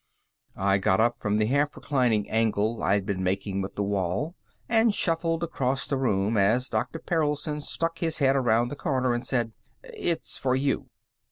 I got up from the half reclining angle I'd been making with the wall, and shuffled across the room as Dr. Perelson stuck his head around the corner and said, "It's for you."